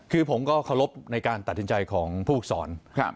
คือผมก็เคารพในการตัดสินใจของผู้ฝึกสอน